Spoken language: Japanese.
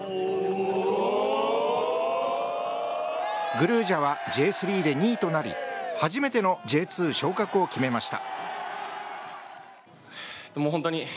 グルージャはＪ３で２位となり初めてのＪ２昇格を決めました。